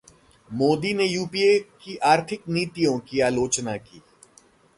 मोदी ने यूपीए की आर्थिक नीतियों की आलोचना की